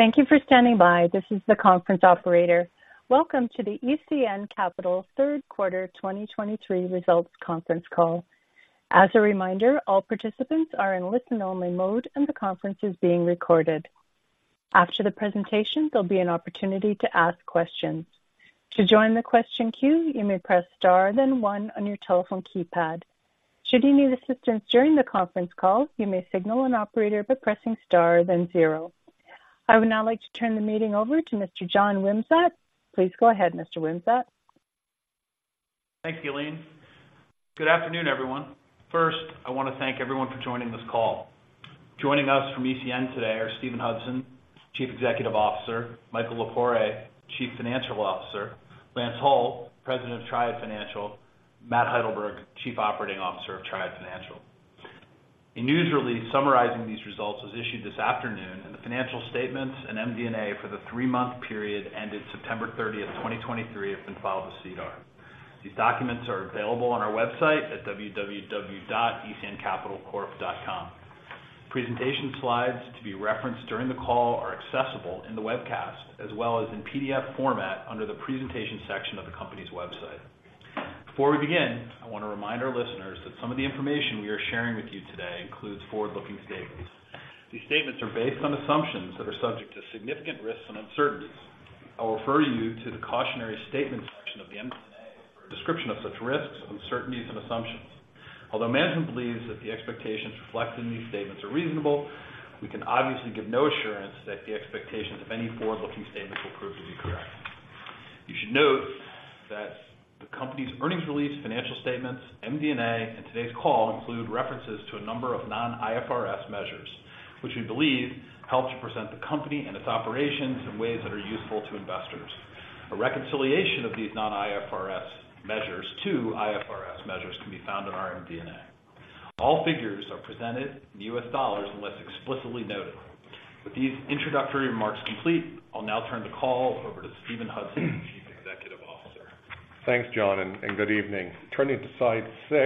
Thank you for standing by. This is the conference operator. Welcome to the ECN Capital Third Quarter 2023 Results Conference Call. As a reminder, all participants are in listen-only mode, and the conference is being recorded. After the presentation, there'll be an opportunity to ask questions. To join the question queue, you may press star, then one on your telephone keypad. Should you need assistance during the conference call, you may signal an operator by pressing star, then zero. I would now like to turn the meeting over to Mr. John Wimsatt. Please go ahead, Mr. Wimsatt. Thank you, Elaine. Good afternoon, everyone. First, I want to thank everyone for joining this call. Joining us from ECN today are Steven Hudson, Chief Executive Officer, Michael Lepore, Chief Financial Officer, Lance Hull, President of Triad Financial, and Matt Heidelberg, Chief Operating Officer of Triad Financial. A news release summarizing these results was issued this afternoon, and the financial statements and MD&A for the three-month period ended 09/30/2023, have been filed with SEDAR. These documents are available on our website at www.ecncapitalcorp.com. Presentation slides to be referenced during the call are accessible in the webcast as well as in PDF format under the Presentation section of the company's website. Before we begin, I want to remind our listeners that some of the information we are sharing with you today includes forward-looking statements. These statements are based on assumptions that are subject to significant risks and uncertainties. I'll refer you to the Cautionary Statement section of the MD&A for a description of such risks, uncertainties, and assumptions. Although management believes that the expectations reflected in these statements are reasonable, we can obviously give no assurance that the expectations of any forward-looking statements will prove to be correct. You should note that the company's earnings release, financial statements, MD&A, and today's call include references to a number of non-IFRS measures, which we believe helps to present the company and its operations in ways that are useful to investors. A reconciliation of these non-IFRS measures to IFRS measures can be found on our MD&A. All figures are presented in U.S. dollars unless explicitly noted. With these introductory remarks complete, I'll now turn the call over to Steven Hudson, Chief Executive Officer. Thanks, John, and good evening. Turning to slide 6,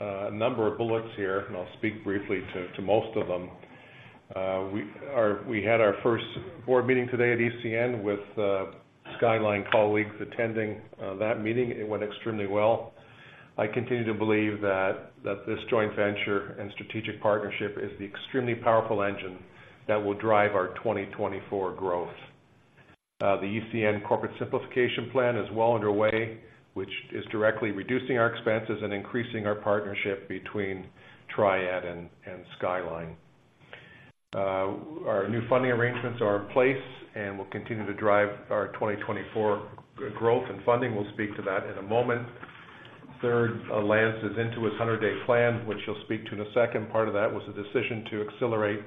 a number of bullets here, and I'll speak briefly to most of them. We had our first board meeting today at ECN with Skyline colleagues attending that meeting. It went extremely well. I continue to believe that this joint venture and strategic partnership is the extremely powerful engine that will drive our 2024 growth. The ECN corporate simplification plan is well underway, which is directly reducing our expenses and increasing our partnership between Triad and Skyline. Our new funding arrangements are in place and will continue to drive our 2024 growth and funding. We'll speak to that in a moment. Third, Lance is into his 100-day plan, which he'll speak to in a second. Part of that was a decision to accelerate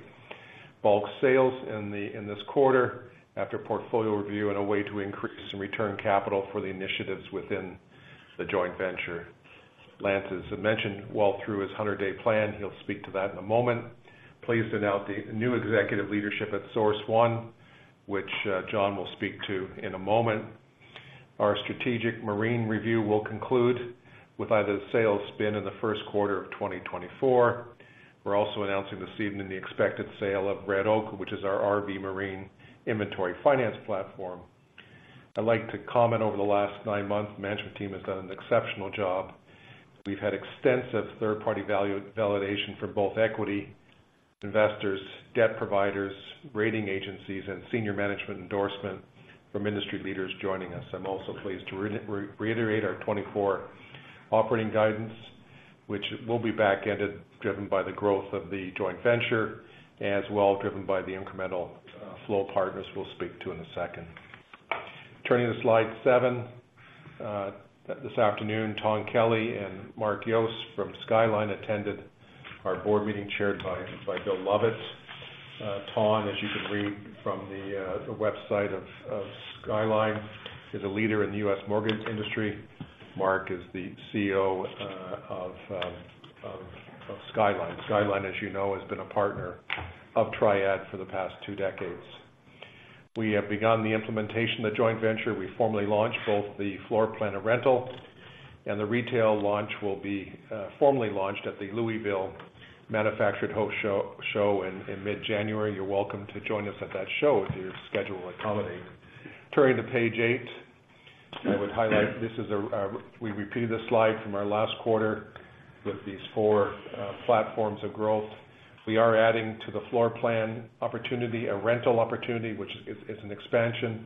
bulk sales in the, in this quarter after a portfolio review in a way to increase and return capital for the initiatives within the joint venture. Lance, as I mentioned, well through his 100-day plan. He'll speak to that in a moment. Pleased to announce the new executive leadership at SourceOne, which, John will speak to in a moment. Our strategic marine review will conclude with either sale or spin in the first quarter of 2024. We're also announcing this evening the expected sale of Red Oak, which is our RV and marine inventory finance platform. I'd like to comment, over the last nine months, the management team has done an exceptional job. We've had extensive third-party validation from both equity investors, debt providers, rating agencies, and senior management endorsement from industry leaders joining us. I'm also pleased to reiterate our 2024 operating guidance, which will be backended, driven by the growth of the joint venture, as well as driven by the incremental flow partners we'll speak to in a second. Turning to slide 7. This afternoon, Tom Kelly and Mark Yost from Skyline attended our board meeting, chaired by Bill Lovatt. Tom, as you can read from the website of Skyline, is a leader in the U.S. mortgage industry. Mark is the CEO of Skyline. Skyline, as you know, has been a partner of Triad for the past two decades. We have begun the implementation of the joint venture. We formally launched both the floor plan and rental, and the retail launch will be formally launched at the Louisville Manufactured Home Show in mid-January. You're welcome to join us at that show if your schedule will accommodate. Turning to page eight, I would highlight this is a... We repeated this slide from our last quarter with these four platforms of growth. We are adding to the floor plan opportunity, a rental opportunity, which is an expansion.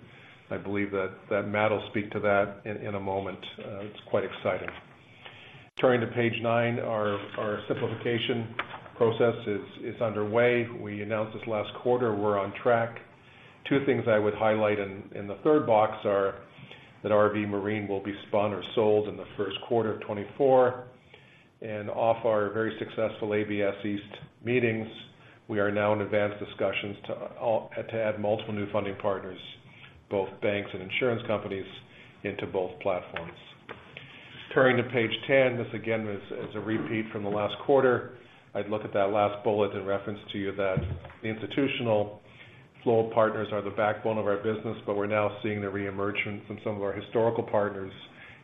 I believe that Matt will speak to that in a moment. It's quite exciting. Turning to page nine. Our simplification process is underway. We announced this last quarter. We're on track. Two things I would highlight in the third box are that RV Marine will be spun or sold in the first quarter of 2024, and off our very successful ABS East meetings, we are now in advanced discussions to all- to add multiple new funding partners, both banks and insurance companies, into both platforms. Turning to page 10. This again is a repeat from the last quarter. I'd look at that last bullet in reference to you that the institutional flow partners are the backbone of our business, but we're now seeing the reemergence of some of our historical partners,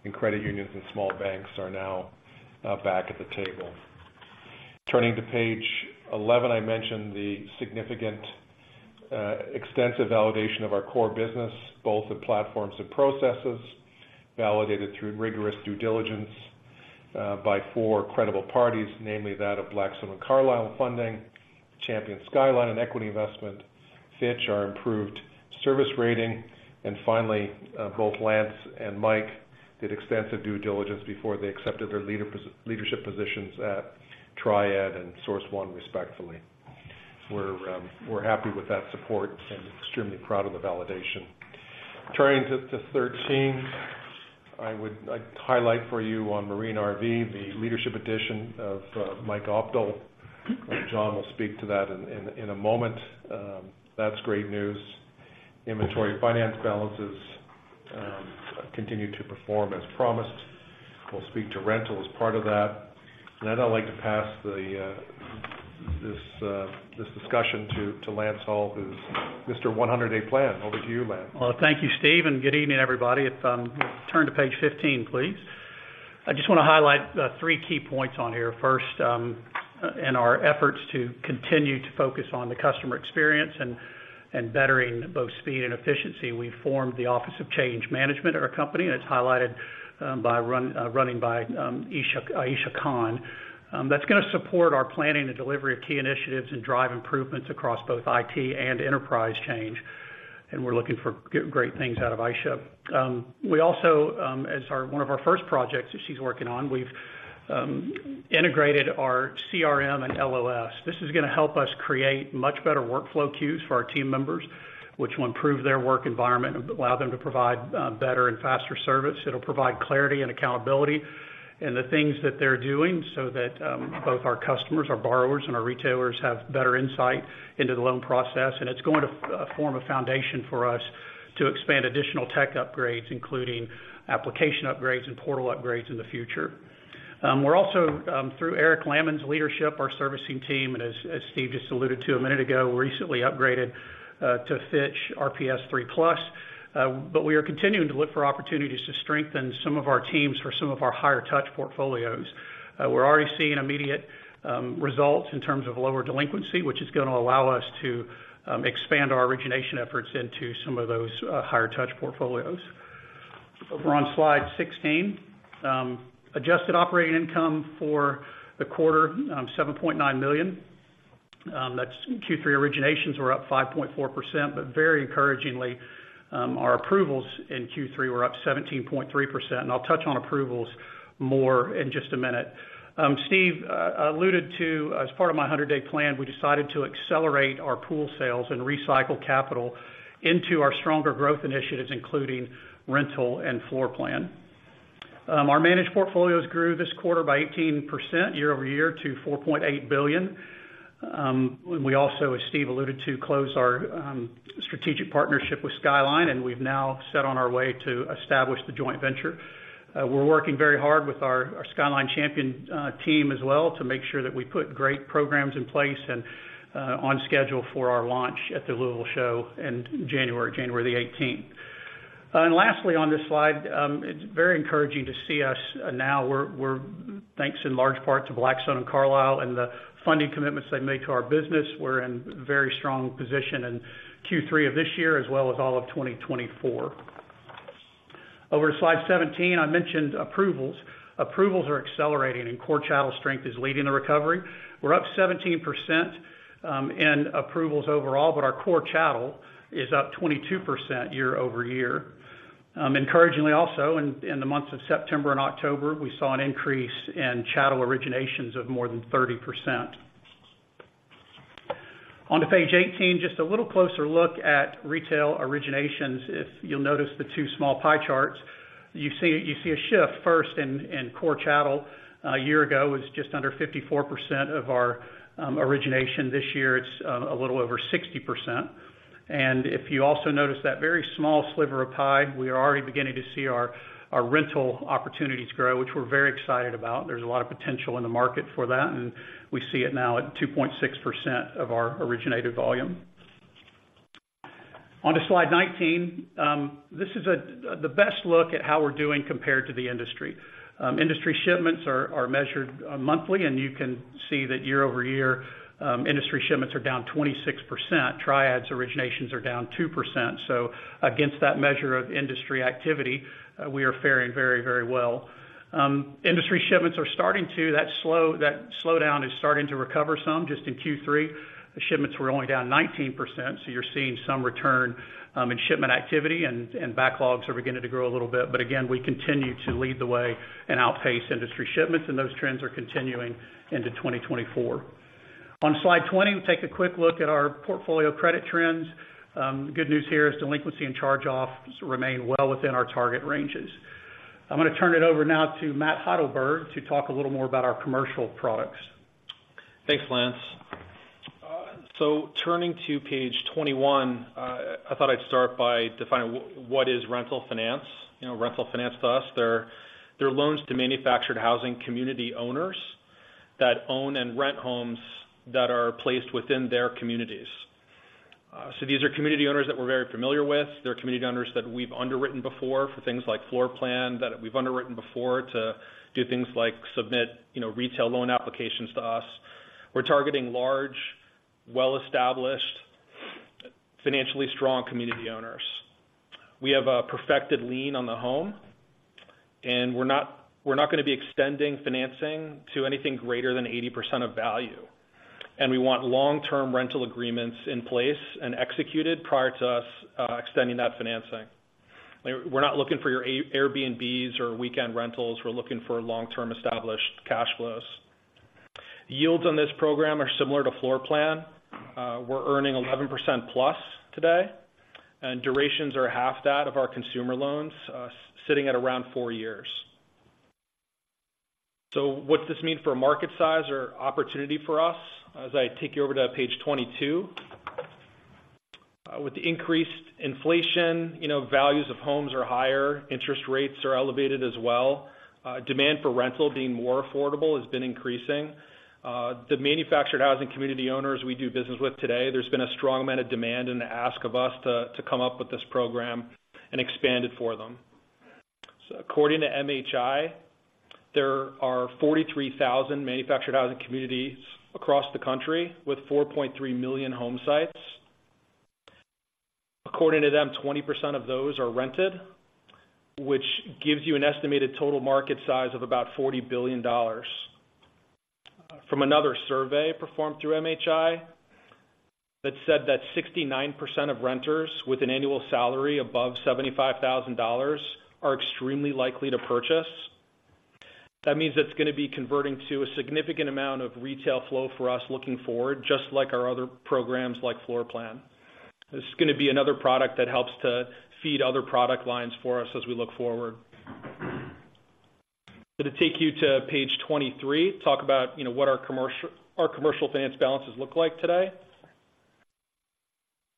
and credit unions and small banks are now back at the table. Turning to page 11, I mentioned the significant extensive validation of our core business, both in platforms and processes, validated through rigorous due diligence by four credible parties, namely that of Blackstone and Carlyle Funding, Skyline Champion and Equity Investment, Fitch, our improved service rating, and finally, both Lance and Mike did extensive due diligence before they accepted their leadership positions at Triad and SourceOne, respectively. We're happy with that support and extremely proud of the validation. Turning to 13, I would like to highlight for you on Marine RV, the leadership addition of Mike Opdahl. John will speak to that in a moment. That's great news. Inventory finance balances continue to perform as promised. We'll speak to rental as part of that. And then I'd like to pass this discussion to Lance Hull, who's Mr. 100-Day Plan. Over to you, Lance. Well, thank you, Steve, and good evening, everybody. If you turn to page 15, please. I just wanna highlight three key points on here. First, in our efforts to continue to focus on the customer experience and bettering both speed and efficiency, we formed the Office of Change Management at our company, and it's run by Aisha Khan. That's gonna support our planning and delivery of key initiatives and drive improvements across both IT and enterprise change. We're looking for great things out of Aisha. We also, as one of our first projects that she's working on, we've integrated our CRM and LOS. This is gonna help us create much better workflow queues for our team members, which will improve their work environment and allow them to provide better and faster service. It'll provide clarity and accountability in the things that they're doing, so that both our customers, our borrowers, and our retailers have better insight into the loan process. And it's going to form a foundation for us to expand additional tech upgrades, including application upgrades and portal upgrades in the future. We're also, through Eric Landman's leadership, our servicing team, and as Steve just alluded to a minute ago, recently upgraded to Fitch RPS3+. But we are continuing to look for opportunities to strengthen some of our teams for some of our higher touch portfolios. We're already seeing immediate results in terms of lower delinquency, which is gonna allow us to expand our origination efforts into some of those higher touch portfolios. Over on Slide 16, adjusted operating income for the quarter, $7.9 million. That's Q3 originations were up 5.4%, but very encouragingly, our approvals in Q3 were up 17.3%, and I'll touch on approvals more in just a minute. Steve alluded to, as part of my 100-day plan, we decided to accelerate our pool sales and recycle capital into our stronger growth initiatives, including rental and floor plan. Our managed portfolios grew this quarter by 18% year-over-year to $4.8 billion. We also, as Steve alluded to, closed our strategic partnership with Skyline, and we've now set on our way to establish the joint venture. We're working very hard with our Skyline Champion team as well, to make sure that we put great programs in place and on schedule for our launch at the Louisville Show in January, the eighteenth. And lastly, on this slide, it's very encouraging to see. Thanks in large part to Blackstone and Carlyle and the funding commitments they've made to our business, we're in very strong position in Q3 of this year, as well as all of 2024. Over to slide 17. I mentioned approvals. Approvals are accelerating, and core chattel strength is leading the recovery. We're up 17% in approvals overall, but our core chattel is up 22% year-over-year. Encouragingly, also in the months of September and October, we saw an increase in chattel originations of more than 30%. On to page 18, just a little closer look at retail originations. If you'll notice the two small pie charts, you see a shift first in core chattel. A year ago, it was just under 54% of our origination. This year, it's a little over 60%. And if you also notice that very small sliver of pie, we are already beginning to see our rental opportunities grow, which we're very excited about. There's a lot of potential in the market for that, and we see it now at 2.6% of our originated volume. On to slide 19. This is the best look at how we're doing compared to the industry. Industry shipments are measured monthly, and you can see that year-over-year, industry shipments are down 26%. Triad's originations are down 2%. So against that measure of industry activity, we are faring very, very well. Industry shipments are starting to... That slow, that slowdown is starting to recover some. Just in Q3, the shipments were only down 19%, so you're seeing some return in shipment activity and, and backlogs are beginning to grow a little bit. But again, we continue to lead the way and outpace industry shipments, and those trends are continuing into 2024. On slide 20, we take a quick look at our portfolio credit trends. Good news here is delinquency and charge-offs remain well within our target ranges. I'm gonna turn it over now to Matt Heidelberg to talk a little more about our commercial products. Thanks, Lance. So turning to page 21, I thought I'd start by defining what is rental finance? You know, rental finance to us, they're, they're loans to manufactured housing community owners that own and rent homes that are placed within their communities. So these are community owners that we're very familiar with. They're community owners that we've underwritten before for things like floorplan, that we've underwritten before to do things like submit, you know, retail loan applications to us. We're targeting large, well-established, financially strong community owners. We have a perfected lien on the home, and we're not, we're not gonna be extending financing to anything greater than 80% of value. And we want long-term rental agreements in place and executed prior to us extending that financing. We're, we're not looking for your Airbnb's or weekend rentals, we're looking for long-term, established cash flows. The yields on this program are similar to floorplan. We're earning 11%+ today, and durations are half that of our consumer loans, sitting at around 4 years. So what does this mean for market size or opportunity for us? As I take you over to page 22. With the increased inflation, you know, values of homes are higher, interest rates are elevated as well. Demand for rental being more affordable has been increasing. The manufactured housing community owners we do business with today, there's been a strong amount of demand and the ask of us to, to come up with this program and expand it for them. So according to MHI, there are 43,000 manufactured housing communities across the country with 4.3 million home sites. According to them, 20% of those are rented, which gives you an estimated total market size of about $40 billion. From another survey performed through MHI, that said that 69% of renters with an annual salary above $75,000 are extremely likely to purchase. That means it's gonna be converting to a significant amount of retail flow for us looking forward, just like our other programs, like Floorplan. This is gonna be another product that helps to feed other product lines for us as we look forward. I'm gonna take you to page 23, to talk about, you know, what our commercial finance balances look like today.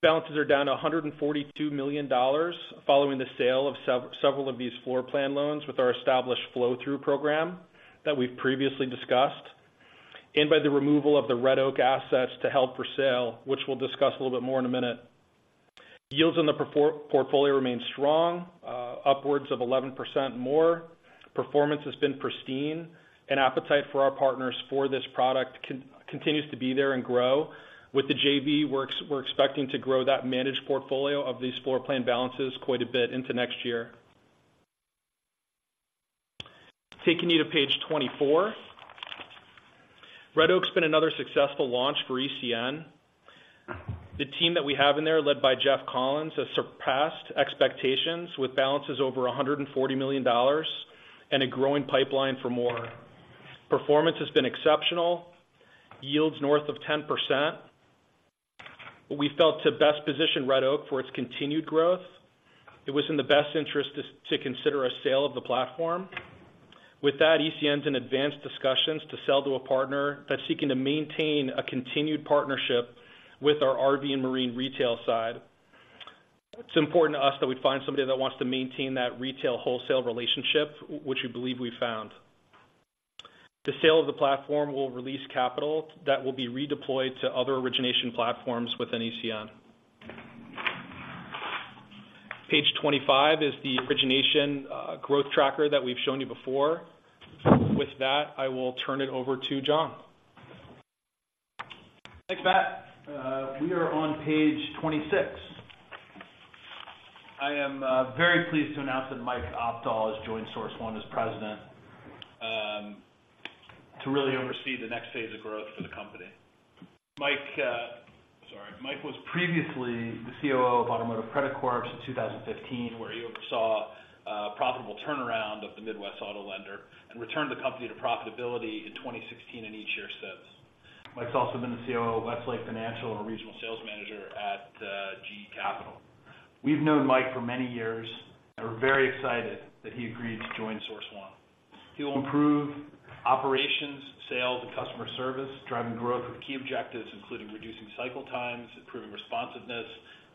Balances are down to $142 million, following the sale of several of these floor plan loans with our established flow-through program that we've previously discussed, and by the removal of the Red Oak assets to held for sale, which we'll discuss a little bit more in a minute. Yields in the portfolio remain strong, upwards of 11% more. Performance has been pristine, and appetite for our partners for this product continues to be there and grow. With the JV, we're expecting to grow that managed portfolio of these floor plan balances quite a bit into next year. Taking you to page 24. Red Oak's been another successful launch for ECN. The team that we have in there, led by Jeff Collins, has surpassed expectations with balances over $140 million and a growing pipeline for more. Performance has been exceptional, yields north of 10%. We felt to best position Red Oak for its continued growth, it was in the best interest to consider a sale of the platform. With that, ECN's in advanced discussions to sell to a partner that's seeking to maintain a continued partnership with our RV and marine retail side. It's important to us that we find somebody that wants to maintain that retail-wholesale relationship, which we believe we've found. The sale of the platform will release capital that will be redeployed to other origination platforms within ECN. Page 25 is the origination growth tracker that we've shown you before. With that, I will turn it over to John. Thanks, Matt. We are on page 26. I am very pleased to announce that Mike Opdahl has joined SourceOne as President, to really oversee the next phase of growth for the company. Mike was previously the COO of Automotive Credit Corporation in 2015, where he oversaw a profitable turnaround of the Midwest auto lender and returned the company to profitability in 2016 and each year since. Mike's also been the COO of Westlake Financial and Regional Sales Manager at GE Capital. We've known Mike for many years, and we're very excited that he agreed to join SourceOne. He will improve operations, sales, and customer service, driving growth with key objectives, including reducing cycle times, improving responsiveness,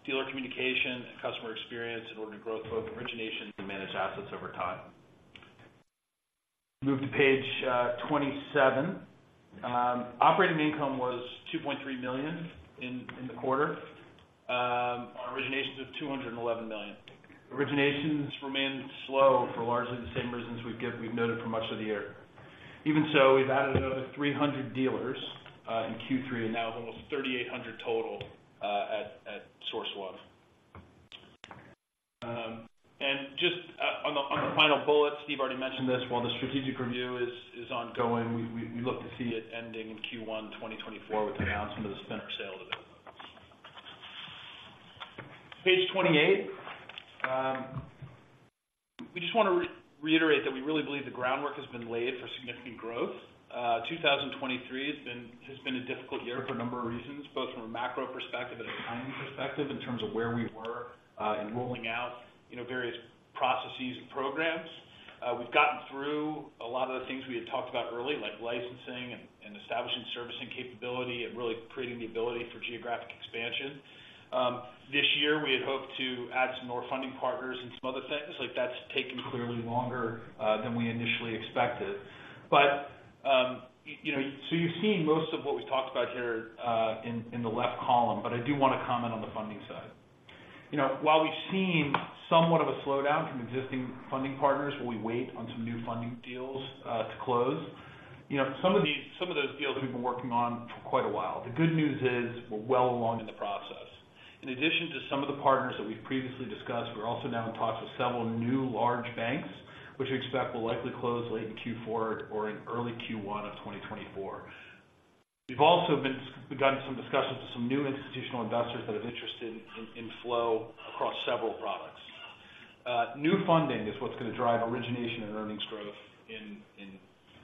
dealer communication, and customer experience in order to grow both origination and manage assets over time. Move to page 27. Operating income was $2.3 million in the quarter. Our origination was $211 million. Originations remained slow for largely the same reasons we've noted for much of the year. Even so, we've added another 300 dealers in Q3, and now almost 3,800 total at SourceOne. And just on the final bullet, Steve already mentioned this. While the strategic review is ongoing, we look to see it ending in Q1 2024, with the announcement of the spinoff sale of it. Page 28. We just want to reiterate that we really believe the groundwork has been laid for significant growth. 2023 has been, has been a difficult year for a number of reasons, both from a macro perspective and a timing perspective, in terms of where we were in rolling out, you know, various processes and programs. We've gotten through a lot of the things we had talked about early, like licensing and establishing servicing capability and really creating the ability for geographic expansion. This year, we had hoped to add some more funding partners and some other things. Like that's taken clearly longer than we initially expected. But, you know, so you've seen most of what we've talked about here in the left column, but I do wanna comment on the funding side. You know, while we've seen somewhat of a slowdown from existing funding partners, while we wait on some new funding deals to close, you know, some of those deals we've been working on for quite a while. The good news is, we're well along in the process. In addition to some of the partners that we've previously discussed, we're also now in talks with several new large banks, which we expect will likely close late in Q4 or in early Q1 of 2024. We've also begun some discussions with some new institutional investors that are interested in flow across several products. New funding is what's gonna drive origination and earnings growth in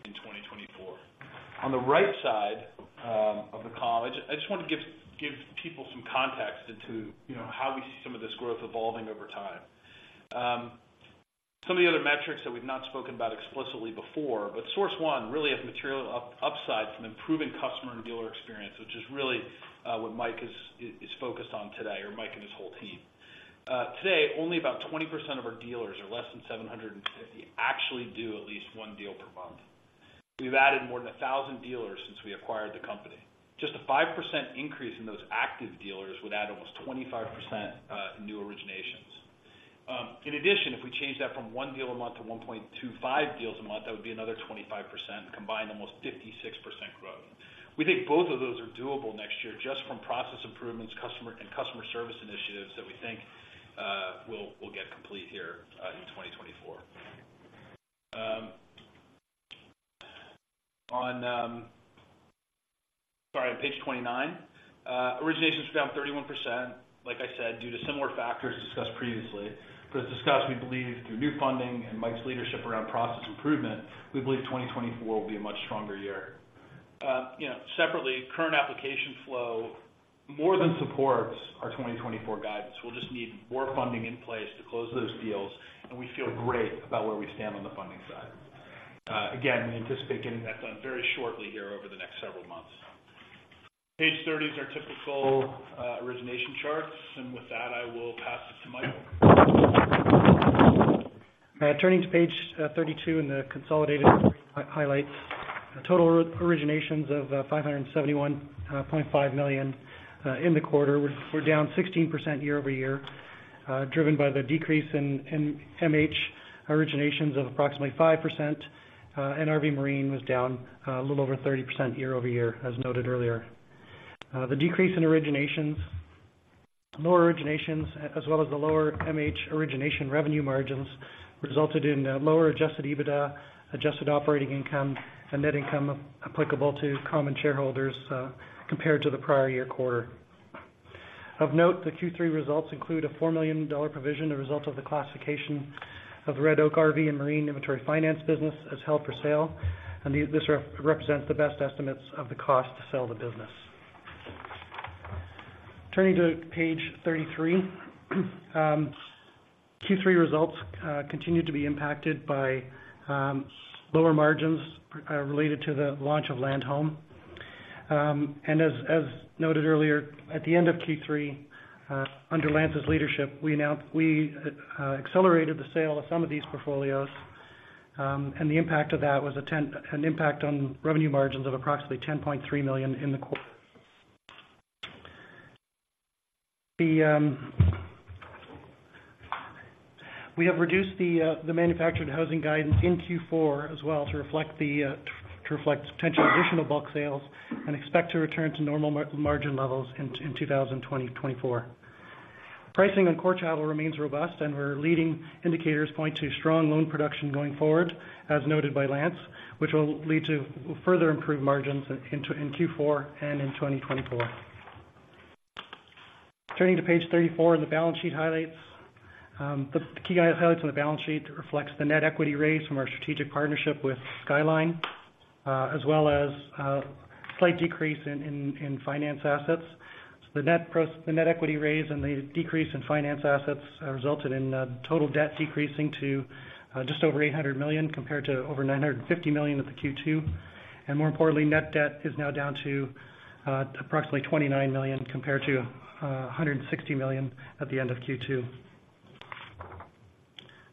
2024. On the right side, of the column, I just wanna give people some context into, you know, how we see some of this growth evolving over time. Some of the other metrics that we've not spoken about explicitly before, but SourceOne really has material upside from improving customer and dealer experience, which is really, what Mike is focused on today, or Mike and his whole team. Today, only about 20% of our dealers are less than 750, actually do at least one deal per month. We've added more than 1,000 dealers since we acquired the company. Just a 5% increase in those active dealers would add almost 25%, in new originations. In addition, if we change that from 1 deal a month to 1.25 deals a month, that would be another 25%, combined almost 56% growth. We think both of those are doable next year, just from process improvements, customer and customer service initiatives that we think, we'll get complete here, in 2024. Sorry, on page 29, originations were down 31%, like I said, due to similar factors discussed previously. But as discussed, we believe through new funding and Mike's leadership around process improvement, we believe 2024 will be a much stronger year. You know, separately, current application flow more than supports our 2024 guidance. We'll just need more funding in place to close those deals, and we feel great about where we stand on the funding side. Again, we anticipate getting that done very shortly here over the next several months. Page 30 is our typical origination charts, and with that, I will pass it to Michael. Turning to page 32 in the consolidated highlights. Total originations of $571.5 million in the quarter were down 16% year-over-year, driven by the decrease in MH originations of approximately 5%, and RV Marine was down a little over 30% year-over-year, as noted earlier. The decrease in originations, lower originations, as well as the lower MH origination revenue margins, resulted in lower Adjusted EBITDA, Adjusted Operating Income, and net income applicable to common shareholders, compared to the prior year quarter. Of note, the Q3 results include a $4 million provision, a result of the classification of Red Oak RV and Marine inventory finance business as held for sale, and this represents the best estimates of the cost to sell the business. Turning to page 33. Q3 results continued to be impacted by lower margins related to the launch of Land Home. And as noted earlier, at the end of Q3, under Lance's leadership, we announced we accelerated the sale of some of these portfolios, and the impact of that was an impact on revenue margins of approximately $10.3 million in the quarter. We have reduced the manufactured housing guidance in Q4 as well, to reflect potential additional bulk sales and expect to return to normal margin levels in 2024. Pricing on core travel remains robust, and our leading indicators point to strong loan production going forward, as noted by Lance, which will lead to further improved margins in Q4 and in 2024. Turning to page 34, the balance sheet highlights. The key highlights on the balance sheet reflects the net equity raise from our strategic partnership with Skyline, as well as slight decrease in finance assets. So the net equity raise and the decrease in finance assets resulted in total debt decreasing to just over $800 million, compared to over $950 million at the Q2. And more importantly, net debt is now down to approximately $29 million, compared to $160 million at the end of Q2.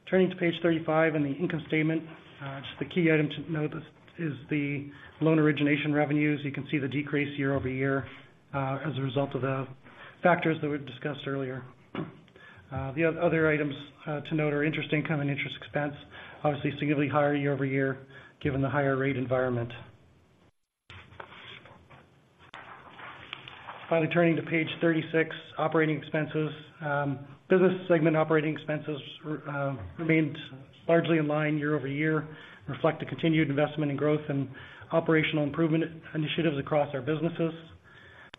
Turning to page 35, the income statement. Just the key item to note is the loan origination revenues. You can see the decrease year-over-year, as a result of the factors that we've discussed earlier. The other items to note are interest income and interest expense, obviously significantly higher year-over-year, given the higher rate environment. Finally, turning to page 36, operating expenses. Business segment operating expenses remained largely in line year-over-year, reflect the continued investment in growth and operational improvement initiatives across our businesses.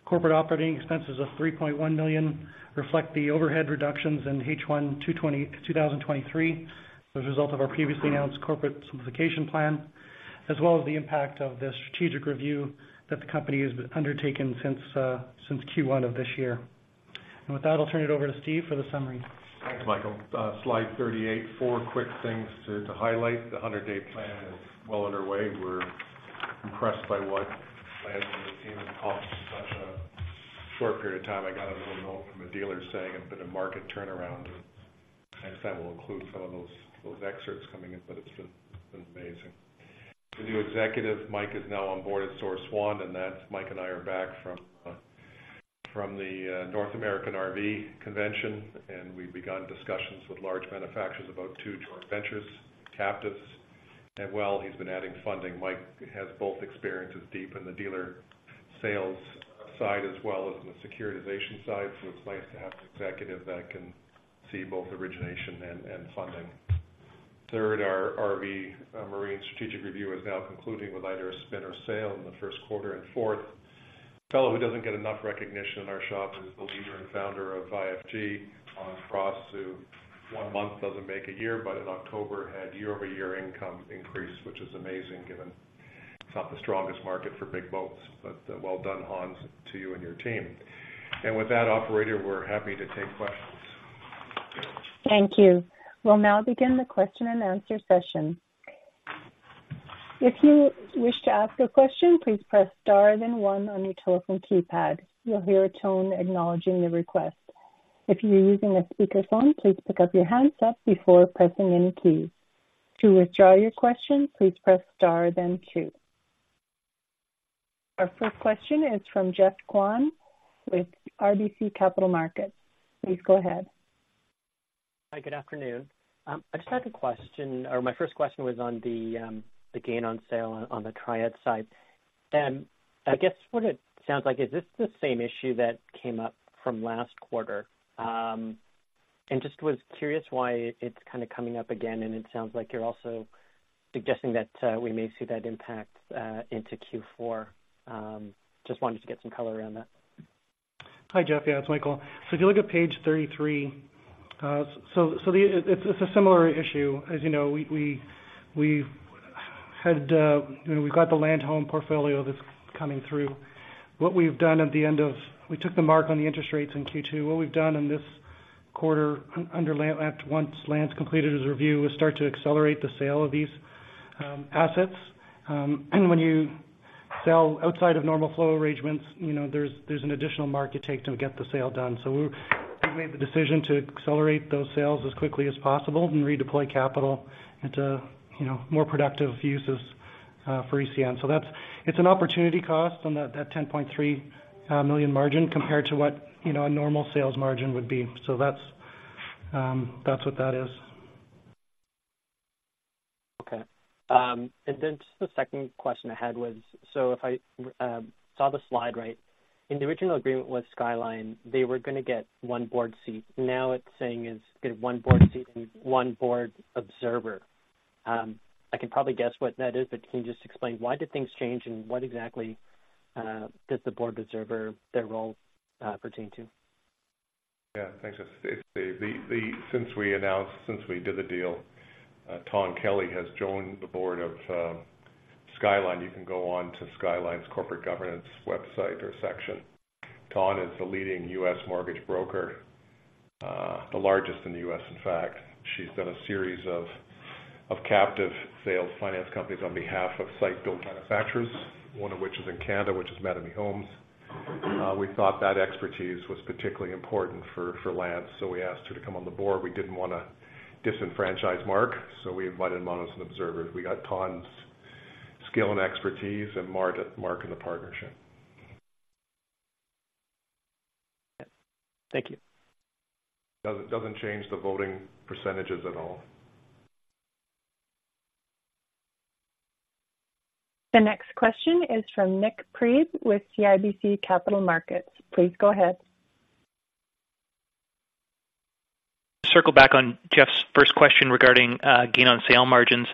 Corporate operating expenses of $3.1 million reflect the overhead reductions in H1 2023, as a result of our previously announced corporate simplification plan, as well as the impact of the strategic review that the company has undertaken since Q1 of this year. With that, I'll turn it over to Steve for the summary. Thanks, Michael. Slide 38, four quick things to highlight. The 100-day plan is well underway. We're impressed by what I had seen in such a short period of time. I got a little note from a dealer saying there's been a market turnaround, and I guess that will include some of those, those excerpts coming in, but it's been, been amazing. The new executive, Mike, is now on board at SouurceOne, and that's Mike and I are back from, from the, North American RV Convention, and we've begun discussions with large manufacturers about two joint ventures, captives. And while he's been adding funding, Mike has both experiences deep in the dealer sales side as well as the securitization side. So it's nice to have an executive that can see both origination and, and funding. Third, our RV, marine strategic review is now concluding with either a spin or sale in the first quarter. Fourth, a fellow who doesn't get enough recognition in our shop is the leader and founder of IFG, Hans Kraaz, who one month doesn't make a year, but in October, had year-over-year income increase, which is amazing, given it's not the strongest market for big boats. But well done, Hans, to you and your team. And with that, operator, we're happy to take questions. Thank you. We'll now begin the question and answer session. If you wish to ask a question, please press Star then one on your telephone keypad. You'll hear a tone acknowledging the request. If you're using a speakerphone, please pick up your handset before pressing any keys. To withdraw your question, please press Star then two. Our first question is from Geoff Kwan with RBC Capital Markets. Please go ahead. Hi, good afternoon. I just had a question, or my first question was on the gain on sale on the Triad side. I guess what it sounds like is this the same issue that came up from last quarter? Just was curious why it's kind of coming up again, and it sounds like you're also suggesting that we may see that impact into Q4. Just wanted to get some color around that. Hi, Geoff. Yeah, it's Michael. So if you look at page 33, so it's a similar issue. As you know, we, we've had, you know, we've got the Land Home portfolio that's coming through. What we've done at the end of... We took the mark on the interest rates in Q2. What we've done in this quarter, under Land, once Land's completed its review, is start to accelerate the sale of these assets. And when you sell outside of normal flow arrangements, you know, there's an additional market take to get the sale done. So we made the decision to accelerate those sales as quickly as possible and redeploy capital into, you know, more productive uses, for ECN. So that's, it's an opportunity cost on that $10.3 million margin compared to what, you know, a normal sales margin would be. So that's what that is. Okay. And then just the second question I had was, so if I saw the slide right, in the original agreement with Skyline, they were gonna get one board seat. Now it's saying is, get one board seat and one board observer. I can probably guess what that is, but can you just explain why did things change and what exactly does the board observer, their role, pertain to? Yeah, thanks. Since we announced, since we did the deal, Dawn Kelly has joined the board of Skyline. You can go on to Skyline's corporate governance website or section. Dawn is the leading U.S. mortgage broker, the largest in the U.S., in fact. She's done a series of captive sales finance companies on behalf of site-built manufacturers, one of which is in Canada, which is Mattamy Homes. We thought that expertise was particularly important for Lance, so we asked her to come on board. We didn't want to disenfranchise Mark, so we invited him on as an observer. We got Dawn's skill and expertise and Mark, Mark in the partnership. Thank you. It doesn't change the voting percentages at all. The next question is from Nik Priebe with CIBC Capital Markets. Please go ahead. Circle back on Geoff's first question regarding gain on sale margins.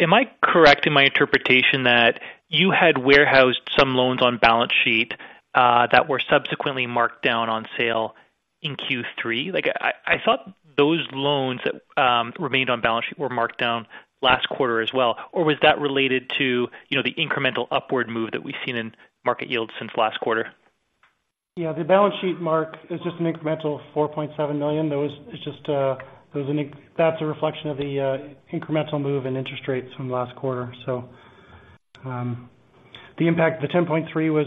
Am I correct in my interpretation that you had warehoused some loans on balance sheet that were subsequently marked down on sale in Q3? Like, I thought those loans that remained on balance sheet were marked down last quarter as well, or was that related to, you know, the incremental upward move that we've seen in market yields since last quarter? Yeah, the balance sheet, Mark, is just an incremental $4.7 million. It's just, that's a reflection of the incremental move in interest rates from last quarter. So, the impact, the $10.3 million was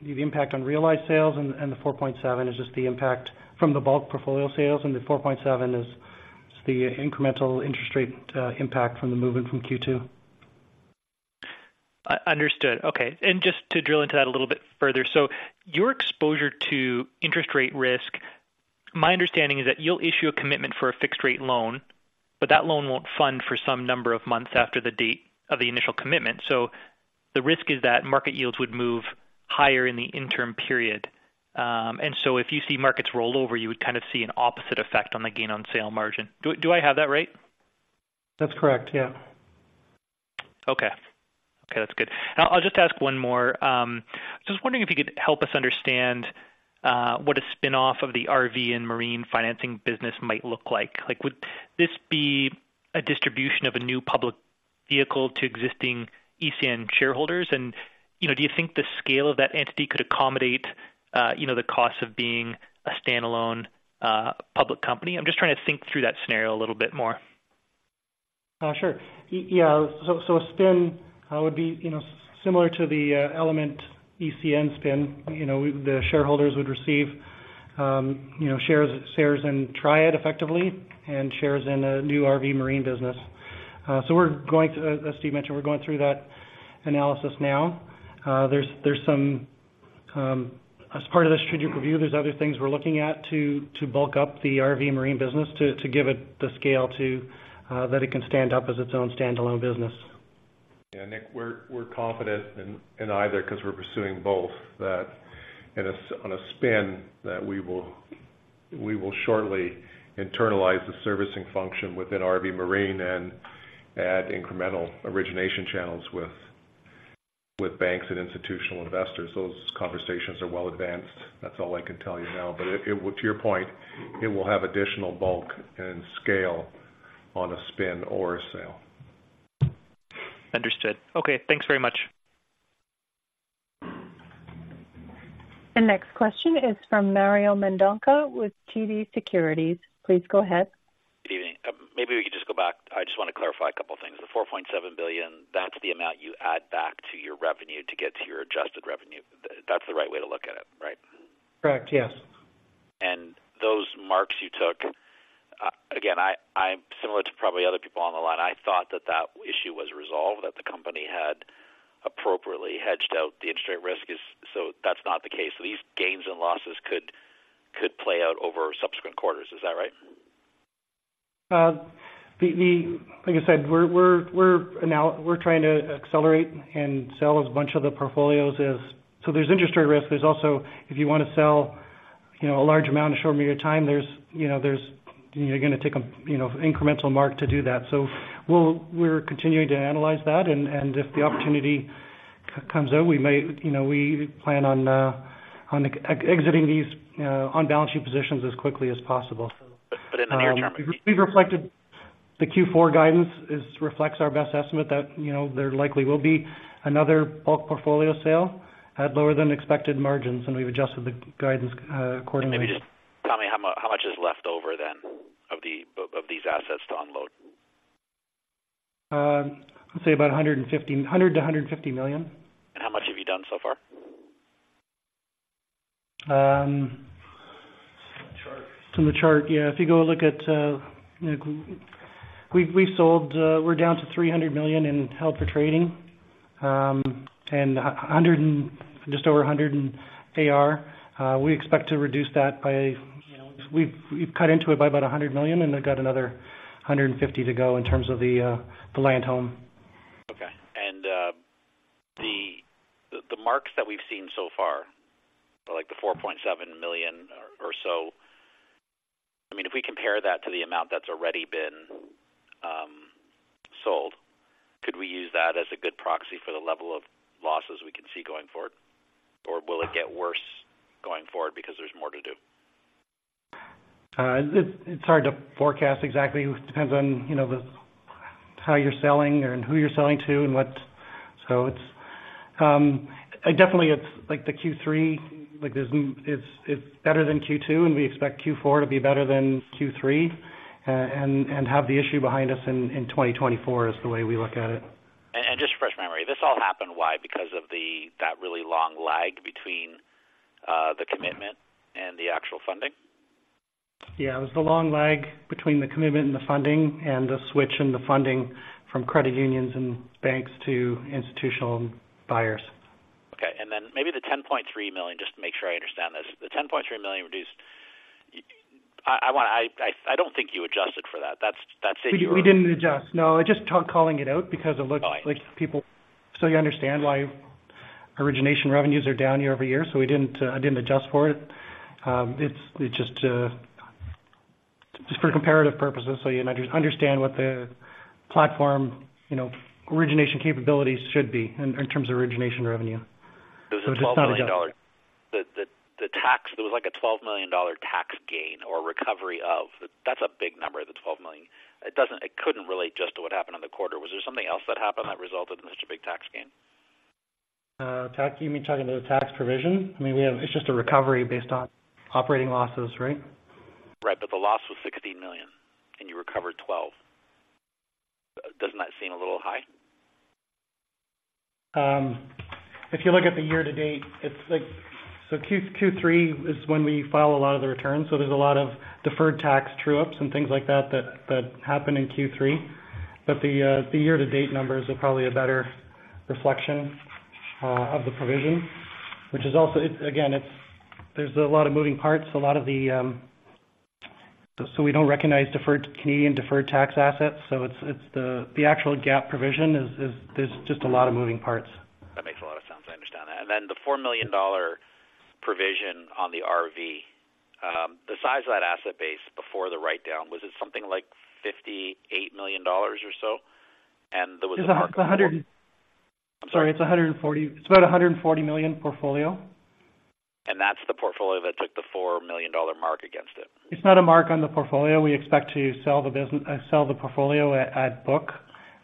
the impact on realized sales, and the $4.7 million is just the impact from the bulk portfolio sales, and the $4.7 million is the incremental interest rate impact from the movement from Q2. Understood. Okay, and just to drill into that a little bit further. So your exposure to interest rate risk, my understanding is that you'll issue a commitment for a fixed rate loan, but that loan won't fund for some number of months after the date of the initial commitment. So the risk is that market yields would move higher in the interim period. And so if you see markets roll over, you would kind of see an opposite effect on the gain on sale margin. Do I have that right? That's correct, yeah. Okay. Okay, that's good. I'll just ask one more. Just wondering if you could help us understand what a spin-off of the RV and marine financing business might look like. Like, would this be a distribution of a new public vehicle to existing ECN shareholders? You know, do you think the scale of that entity could accommodate, you know, the cost of being a standalone public company? I'm just trying to think through that scenario a little bit more. Sure. Yeah, so a spin would be, you know, similar to the Element ECN spin. You know, the shareholders would receive, you know, shares in Triad effectively, and shares in a new RV Marine business. So we're going to—as Steve mentioned, we're going through that analysis now. There's some, as part of the strategic review, there's other things we're looking at to bulk up the RV Marine business to give it the scale to that it can stand up as its own standalone business. Yeah, Nik, we're confident in either, because we're pursuing both, that in a spin, we will shortly internalize the servicing function within RV Marine and add incremental origination channels with banks and institutional investors. Those conversations are well advanced. That's all I can tell you now. But it... To your point, it will have additional bulk and scale on a spin or a sale. Understood. Okay. Thanks very much. The next question is from Mario Mendonca with TD Securities. Please go ahead. Good evening. Maybe we could just go back. I just want to clarify a couple of things. The $4.7 billion, that's the amount you add back to your revenue to get to your adjusted revenue. That's the right way to look at it, right? Correct, yes. Those mark-to-market you took, again, I'm similar to probably other people on the line. I thought that that issue was resolved, that the company had appropriately hedged out the interest rate risk. Is so that's not the case. So these gains and losses could play out over subsequent quarters. Is that right? Like I said, we're trying to accelerate and sell as much of the portfolios as... So there's interest rate risk. There's also, if you want to sell, you know, a large amount in a short period of time, there's, you know, there's... You're going to take a, you know, incremental mark to do that. So we're continuing to analyze that, and if the opportunity comes out, we may, you know, we plan on exiting these on-balance sheet positions as quickly as possible. But in the near term- We've reflected the Q4 guidance. It reflects our best estimate that, you know, there likely will be another bulk portfolio sale at lower than expected margins, and we've adjusted the guidance, accordingly. Maybe just tell me, how much is left over then, of these assets to unload? I'd say about $150 million, $100 million-$150 million. How much have you done so far? Um- From the chart. From the chart, yeah. If you go look at. We've sold, we're down to $300 million in held for trading, and just over $100 million in AR. We expect to reduce that by, you know, we've cut into it by about $100 million, and I've got another $150 million to go in terms of the Land Home. Okay. And, the, the marks that we've seen so far, like the $4.7 million or, or so, I mean, if we compare that to the amount that's already been, sold, could we use that as a good proxy for the level of losses we can see going forward? Or will it get worse going forward because there's more to do? It's hard to forecast exactly. It depends on, you know, how you're selling and who you're selling to and what. So it's definitely, it's like the Q3, like, it's better than Q2, and we expect Q4 to be better than Q3, and have the issue behind us in 2024, is the way we look at it. Just to refresh memory, this all happened, why? Because of the, that really long lag between the commitment and the actual funding? Yeah, it was the long lag between the commitment and the funding, and the switch in the funding from credit unions and banks to institutional buyers. Okay, and then maybe the $10.3 million, just to make sure I understand this. The $10.3 million reduced... I want to... I don't think you adjusted for that. That's it- We didn't adjust. No, I just calling it out because it looks- Got it. So you understand why origination revenues are down year-over-year, so we didn't, I didn't adjust for it. It's, it just, just for comparative purposes, so you understand what the platform, you know, origination capabilities should be in, in terms of origination revenue. So it's not adjusted. The tax, it was like a $12 million tax gain or recovery of... That's a big number, the $12 million. It doesn't-- it couldn't relate just to what happened in the quarter. Was there something else that happened that resulted in such a big tax gain? Tax, you mean talking about the tax provision? I mean, we have... It's just a recovery based on operating losses, right? Right, but the loss was $16 million, and you recovered $12 million. Doesn't that seem a little high? If you look at the year-to-date, it's like. So Q3 is when we file a lot of the returns, so there's a lot of deferred tax true-ups and things like that that happen in Q3. But the year-to-date numbers are probably a better reflection of the provision, which is also. It again, it's— there's a lot of moving parts, a lot of the. So we don't recognize deferred Canadian deferred tax assets, so it's the actual GAAP provision is there's just a lot of moving parts. That makes a lot of sense. I understand that. And then the $4 million provision on the RV, the size of that asset base before the write-down, was it something like $58 million or so? And there was a hundred- I'm sorry, it's $140 million. It's about a $140 million portfolio. ...that's the portfolio that took the $4 million mark against it? It's not a mark on the portfolio. We expect to sell the business, sell the portfolio at book,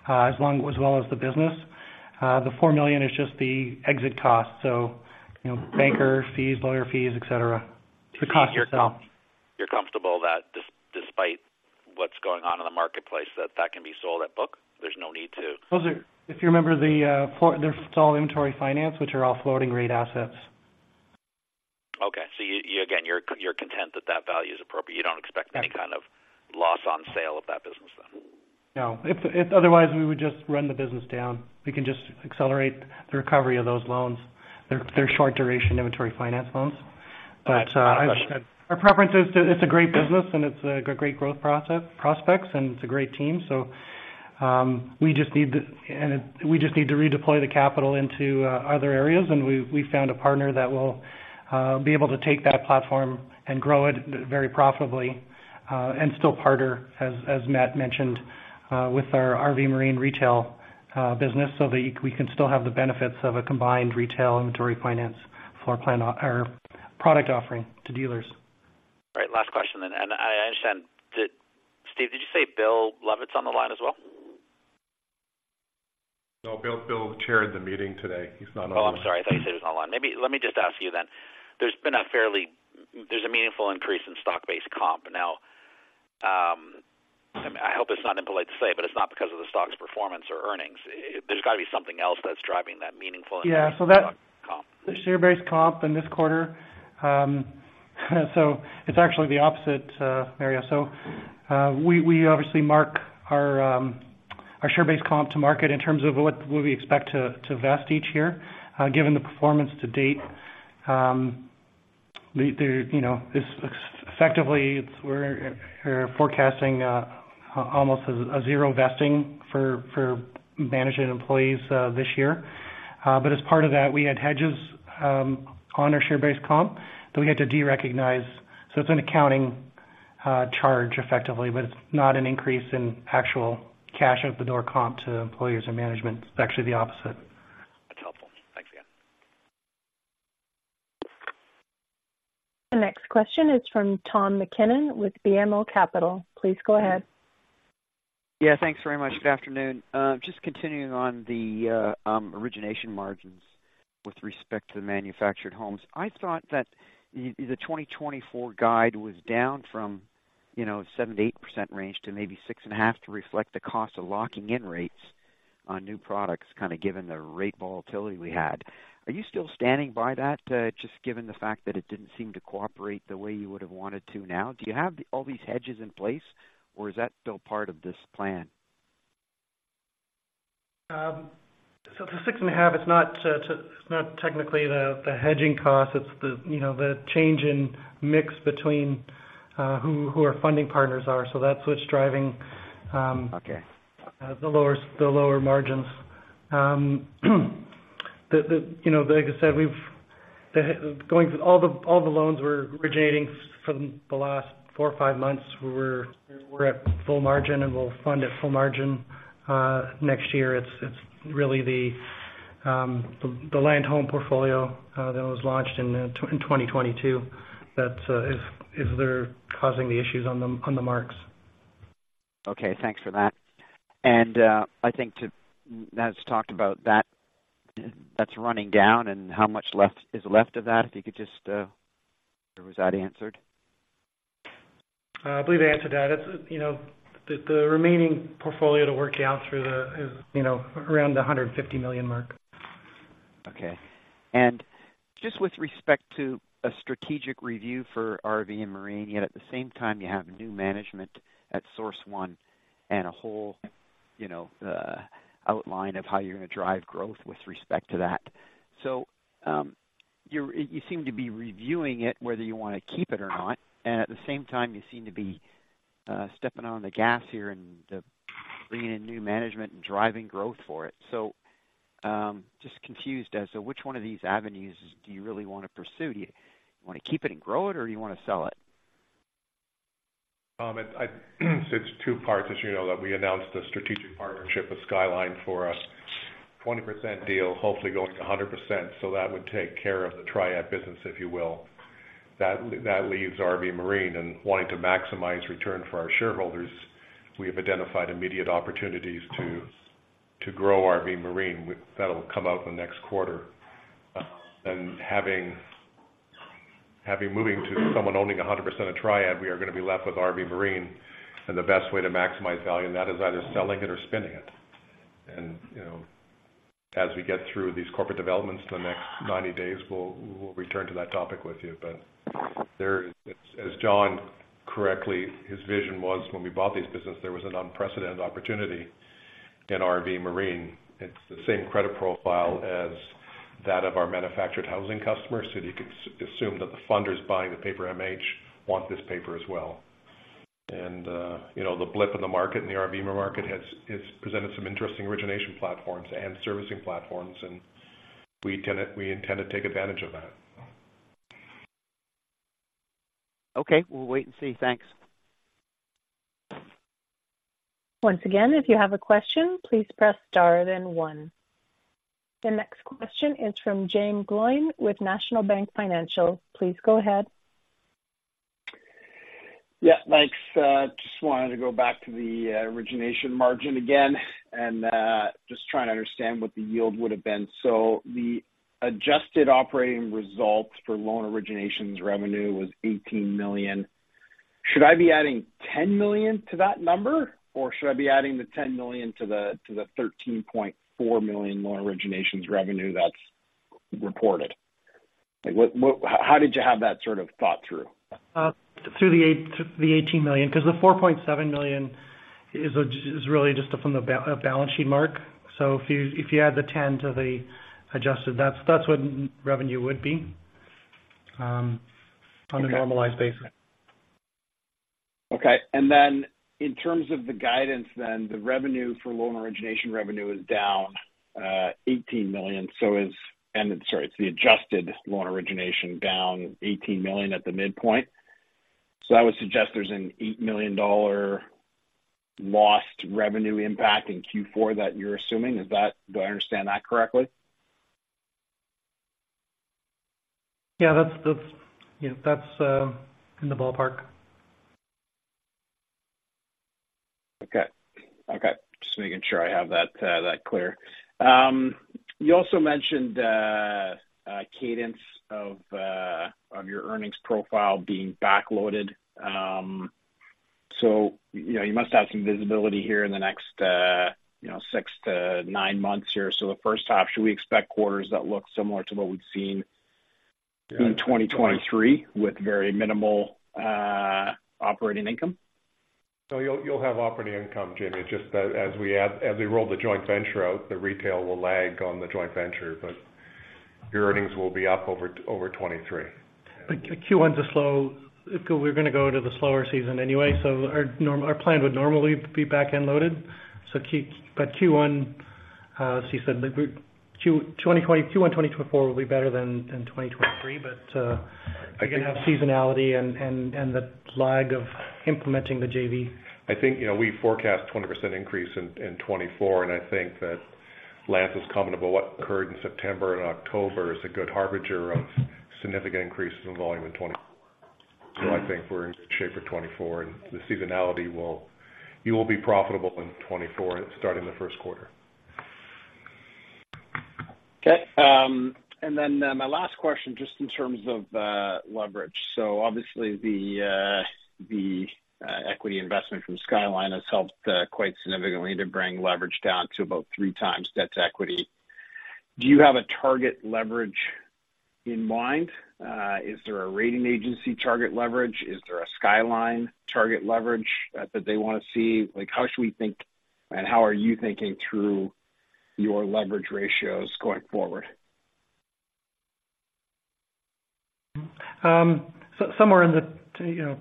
as long as well as the business. The $4 million is just the exit cost, so, you know, banker fees, lawyer fees, et cetera. The cost to sell. You're comfortable that despite what's going on in the marketplace, that that can be sold at book? There's no need to- Those are. If you remember the portfolio, they're all inventory finance, which are all floating rate assets. Okay. So you again, you're content that that value is appropriate. You don't expect any- Yes. Kind of loss on sale of that business then? No. If otherwise, we would just run the business down. We can just accelerate the recovery of those loans. They're short duration inventory finance loans. But our preference is to... It's a great business, and it's a great growth prospects, and it's a great team. So we just need to redeploy the capital into other areas, and we've found a partner that will be able to take that platform and grow it very profitably, and still partner, as Matt mentioned, with our RV Marine retail business, so that we can still have the benefits of a combined retail inventory finance floorplan or product offering to dealers. All right, last question then. And I, I understand. Did... Steve, did you say Bill Lovatt's on the line as well? No, Bill, Bill chaired the meeting today. He's not on the line. Oh, I'm sorry. I thought you said he was on the line. Maybe— Let me just ask you then. There's a meaningful increase in stock-based comp. Now, I hope it's not impolite to say, but it's not because of the stock's performance or earnings. There's got to be something else that's driving that meaningful- Yeah. Increase in stock comp. The share-based comp in this quarter, so it's actually the opposite, Mario. So, we obviously mark our share-based comp to market in terms of what we expect to vest each year. Given the performance to date, you know, effectively, it's, we're forecasting almost a zero vesting for management employees this year. But as part of that, we had hedges on our share-based comp that we get to derecognize. So it's an accounting charge effectively, but it's not an increase in actual cash out the door comp to employees and management. It's actually the opposite. That's helpful. Thanks again. The next question is from Tom MacKinnon with BMO Capital. Please go ahead. Yeah, thanks very much. Good afternoon. Just continuing on the origination margins with respect to the manufactured homes. I thought that the 2024 guide was down from, you know, 7%-8% range to maybe 6.5%, to reflect the cost of locking in rates on new products, kinda given the rate volatility we had. Are you still standing by that, just given the fact that it didn't seem to cooperate the way you would have wanted to now? Do you have all these hedges in place, or is that still part of this plan? So the 6.5% is not, it's not technically the, the hedging cost, it's the, you know, the change in mix between, who our funding partners are. So that's what's driving, Okay. The lower margins. You know, like I said, going through all the loans we're originating from the last four or five months, we're at full margin, and we'll fund at full margin next year. It's really the Land Home portfolio that was launched in 2022 that is there causing the issues on the marks. Okay, thanks for that. I think Matt's talked about that. That's running down, and how much is left of that, if you could just, or was that answered? I believe I answered that. It's, you know, the remaining portfolio to work out through the, is, you know, around $150 million. Okay. And just with respect to a strategic review for RV and marine, yet at the same time, you have new management at SourceOne and a whole, you know, outline of how you're going to drive growth with respect to that. So, you seem to be reviewing it, whether you want to keep it or not, and at the same time, you seem to be stepping on the gas here and bringing in new management and driving growth for it. So, just confused as to which one of these avenues do you really want to pursue? Do you want to keep it and grow it, or you want to sell it? It's two parts. As you know, that we announced a strategic partnership with Skyline for a 20% deal, hopefully going to 100%. So that would take care of the Triad business, if you will. That leaves RV Marine and wanting to maximize return for our shareholders, we have identified immediate opportunities to grow RV Marine. That'll come out in the next quarter. And having moving to someone owning 100% of Triad, we are going to be left with RV Marine and the best way to maximize value, and that is either selling it or spinning it. And, you know, as we get through these corporate developments in the next 90 days, we'll return to that topic with you. But there is, as John correctly, his vision was when we bought this business, there was an unprecedented opportunity in RV Marine. It's the same credit profile as that of our manufactured housing customers. So you can assume that the funders buying the paper MH want this paper as well. And, you know, the blip in the market, in the RV market has presented some interesting origination platforms and servicing platforms, and we intend, we intend to take advantage of that. Okay, we'll wait and see. Thanks.... Once again, if you have a question, please press star then one. The next question is from Jaeme Gloyn with National Bank Financial. Please go ahead. Yeah, thanks. Just wanted to go back to the origination margin again, and just trying to understand what the yield would have been. So the adjusted operating results for loan originations revenue was $18 million. Should I be adding $10 million to that number, or should I be adding the $10 million to the $13.4 million loan originations revenue that's reported? Like, what, what—How did you have that sort of thought through? Through the $18 million, because the $4.7 million is really just from a balance sheet mark. So if you add the $10 million to the adjusted, that's what revenue would be on a normalized basis. Okay. And then in terms of the guidance, then the revenue for loan origination revenue is down $18 million. So, sorry, it's the adjusted loan origination down $18 million at the midpoint. So that would suggest there's an $8 million lost revenue impact in Q4 that you're assuming. Is that? Do I understand that correctly? Yeah, that's in the ballpark. Okay. Okay. Just making sure I have that, that clear. You also mentioned a cadence of your earnings profile being backloaded. So, you know, you must have some visibility here in the next, you know, 6-9 months here. So the first half, should we expect quarters that look similar to what we've seen in 2023, with very minimal operating income? So you'll have operating income, Jaeme. It's just that as we add, as we roll the joint venture out, the retail will lag on the joint venture, but your earnings will be up over 23. But Q1 is a slow... We're going to go to the slower season anyway, so our normal plan would normally be back-end loaded. So. But Q1, as he said, like Q1 2024 will be better than 2023. But, again, have seasonality and the lag of implementing the JV. I think, you know, we forecast 20% increase in 2024, and I think that Lance's comment about what occurred in September and October is a good harbinger of significant increases in volume in 2024. So I think we're in shape for 2024, and the seasonality will. You will be profitable in 2024, starting the first quarter. Okay, and then, my last question, just in terms of, leverage. So obviously, the equity investment from Skyline has helped, quite significantly to bring leverage down to about 3 times debt to equity. Do you have a target leverage in mind? Is there a rating agency target leverage? Is there a Skyline target leverage, that they want to see? Like, how should we think, and how are you thinking through your leverage ratios going forward? Somewhere in the, you know,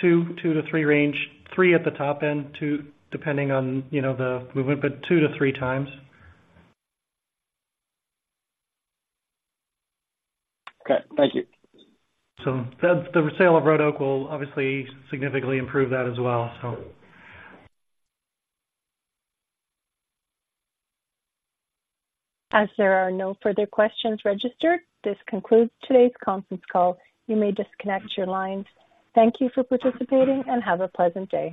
2, 2-3 range, 3 at the top end, 2, depending on, you know, the movement, but 2-3 times. Okay, thank you. So the resale of Red Oak will obviously significantly improve that as well, so. As there are no further questions registered, this concludes today's conference call. You may disconnect your lines. Thank you for participating and have a pleasant day.